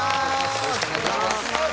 お願いします。